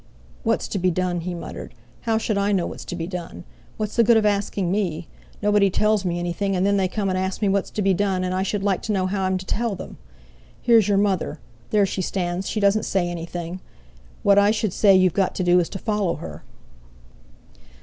"What's to be done!" he muttered. "How should I know what's to be done? What's the good of asking me? Nobody tells me anything, and then they come and ask me what's to be done; and I should like to know how I'm to tell them! Here's your mother, there she stands; she doesn't say anything. What I should say you've got to do is to follow her.."